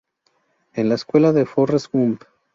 Es la secuela de Forrest Gump.